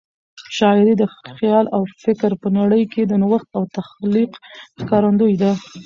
شاعري د خیال او فکر په نړۍ کې د نوښت او تخلیق ښکارندوی ده.